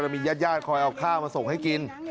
แล้วมีญาติย่าคอยเอาข้าวมาส่งให้กิน